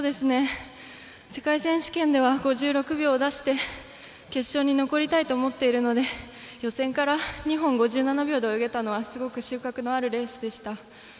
世界選手権では５６秒を出して決勝に残りたいと思っているので予選から２本５７秒で泳げたのはすごく収穫のあるレースでした。